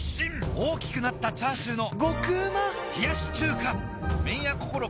大きくなったチャーシューの麺屋こころ